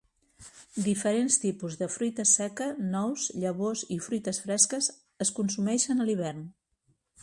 Diferents tipus de fruita seca, nous, llavors i fruites fresques es consumeixen a l'hivern.